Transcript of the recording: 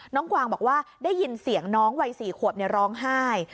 กวางบอกว่าได้ยินเสียงน้องวัย๔ขวบร้องไห้